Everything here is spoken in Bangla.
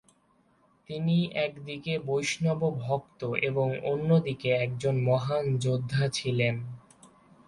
তিনি একদিকে বৈষ্ণব ভক্ত এবং অন্যদিকে একজন মহান যোদ্ধা ছিলেন।